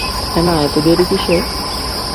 Hannah এত দেরি কিসের?